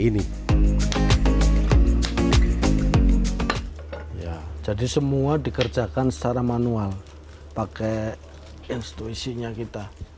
ini jadi semua dikerjakan secara manual pakai instruisinya kita